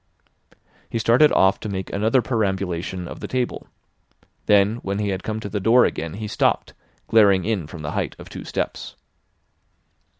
He started off to make another perambulation of the table; then when he had come to the door again he stopped, glaring in from the height of two steps.